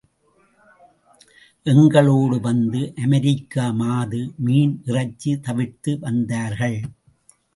எங்களோடு வந்த அமெரிக்க மாது மீன், இறைச்சி தவிர்த்து வந்தார்கள்.